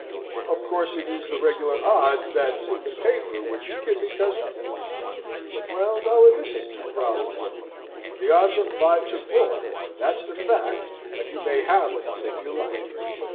"Of course it is the regular odds that's in the paper which you give me, cousin?" "Well, no, it isn't," growled Will. "The odds are five to four, that's the fact, and you may have 'em, if you like."